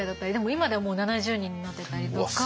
今ではもう７０人になってたりとか。